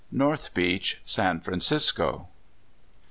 NORTH BEACH, SAN FRANCISCO.